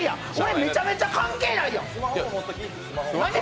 めちゃめちゃ関係ないやん！